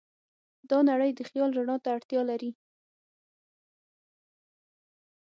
دا نړۍ د خیال رڼا ته اړتیا لري.